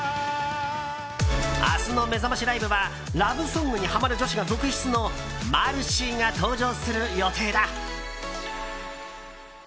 明日のめざましライブはラブソングにハマる女子が続出のマルシィが登場する予定だ。